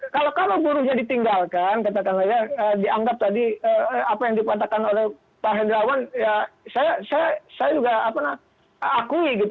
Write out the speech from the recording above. kalau buruhnya ditinggalkan dianggap tadi apa yang dipatahkan oleh pak hendrawan saya juga akui